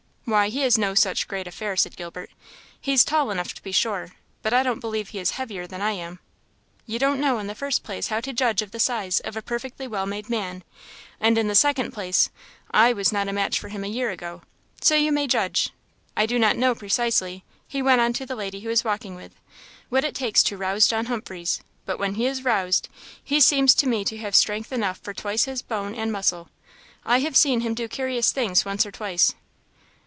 "Why, he is no such great affair," said Gilbert, "he's tall enough, to be sure, but I don't believe he is heavier than I am." "You don't know, in the first place, how to judge of the size of a perfectly well made man; and, in the second place, I was not a match for him a year ago; so you may judge I do not know precisely," he went on to the lady he was walking with, "what it takes to rouse John Humphreys; but when he is roused, he seems to me to have strength enough for twice his bone and muscle. I have seen him do curious things once or twice!"